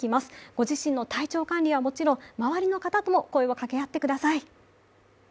ご自身の体調管理はもちろん周りの方とも声を掛け合ってください。